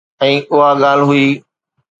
۽ اها ڳالهه هئي.